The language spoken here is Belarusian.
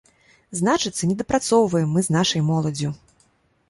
Значыцца, недапрацоўваем мы з нашай моладдзю.